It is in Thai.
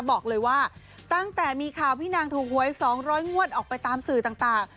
บอกเลยว่าตั้งแต่มีข่าวพี่นางถูกหวย๒๐๐งวดออกไปตามสื่อต่าง